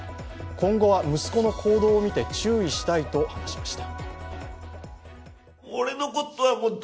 今後は息子の行動を見て注意したいと話しました。